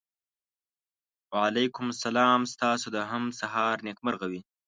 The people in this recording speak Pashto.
وعلیکم سلام ستاسو د هم سهار نېکمرغه وي.